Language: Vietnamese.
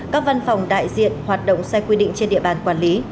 các văn phòng đại diện hoạt động sai quy định trên địa bàn quản lý